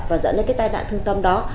và dẫn đến cái tài nạn thương tâm đó